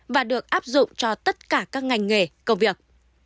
và được áp dụng cho tất cả các ngành nghề công việc